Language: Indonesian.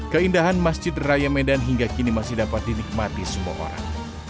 keindahan masjid raya medan hingga kini masih dapat dinikmati semua orang